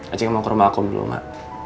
acing mau ke rumah aku dulu mak